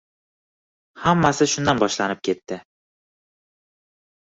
Hammasi shundan boshlanib ketdi